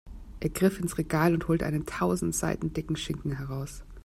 Er griff ins Regal und holte einen tausend Seiten dicken Schinken heraus.